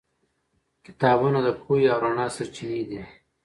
کتابونه د پوهې او رڼا سرچینې دي.